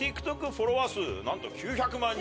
フォロワー数なんと９００万人超え。